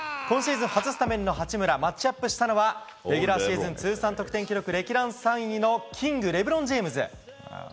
今シーズン初スタメンの八村マッチアップしたのはレギュラーシーズン通算得点記録歴代３位のキングレブロン・ジェームズ。